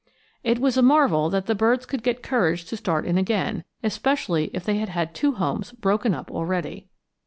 It was a marvel that the birds could get courage to start in again, especially if they had had two homes broken up already.